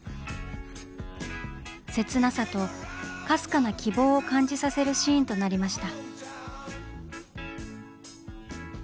切なさとかすかな希望を感じさせるシーンとなりました。